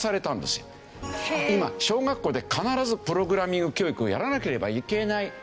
今小学校で必ずプログラミング教育をやらなければいけない。